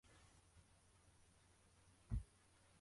bagenzura moteri ya vintage umutuku uhinduka